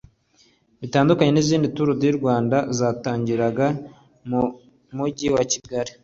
Bitandukanye n’izindi Tour du Rwanda zatangiriraga mu Mujyi wa Kigali